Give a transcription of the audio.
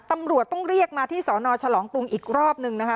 ตำรวจต้องเรียกมาที่สนฉลองกรุงอีกรอบนึงนะคะ